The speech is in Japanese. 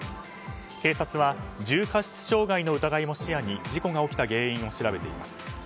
警察は重過失傷害の疑いも視野に事故が起きた原因を調べています。